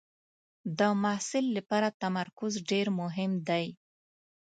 د محصل لپاره تمرکز ډېر مهم دی.